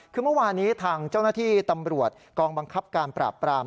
คือเมื่อวานี้ทางเจ้าหน้าที่ตำรวจกองบังคับการปราบปราม